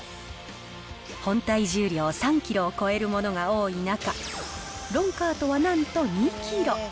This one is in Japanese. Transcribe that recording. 本体重量３キロを超えるものが多い中、ロンカートはなんと２キロ。